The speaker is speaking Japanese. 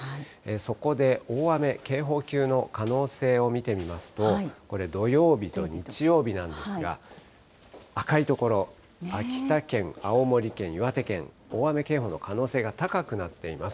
そこで大雨警報級の可能性を見てみますと、これ、土曜日と日曜日なんですが、赤い所、秋田県、青森県、岩手県、大雨警報の可能性が高くなっています。